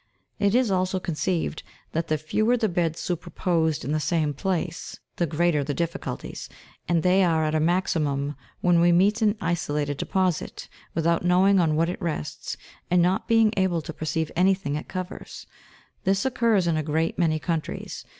It is also conceived, that the fewer the beds superposed in the same place, the greater the difficulties, and they are at a maximum when we meet an isolated deposit, without knowing on what it rests, and not being able to perceive anything it covers : this occurs in a great many countries.